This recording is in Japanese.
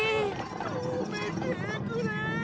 止めてくれ！